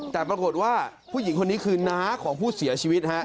แต่ปรากฏว่าผู้หญิงคนนี้คือน้าของผู้เสียชีวิตฮะ